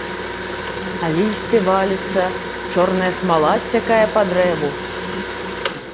А лісце валіцца, чорная смала сцякае па дрэву.